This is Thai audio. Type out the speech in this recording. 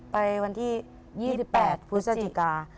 ไปวันที่๒๘พฤศจิกา